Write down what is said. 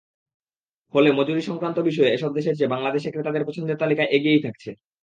ফলে মজুরিসংক্রান্ত বিষয়ে এসব দেশের চেয়ে বাংলাদেশ ক্রেতাদের পছন্দের তালিকায় এগিয়েই থাকছে।